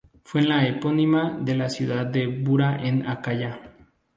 Fue la epónima de la ciudad de Bura en Acaya.